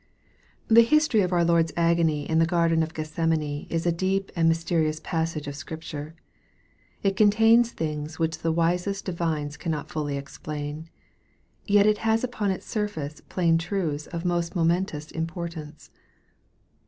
THE history of our Lord's agony in the garden of Geth semane is a deep and mysterious passage of Scripture. It contains things which the wisest divines cannot fully explain. Yet it has upon its surface plain truths of most momentous importance.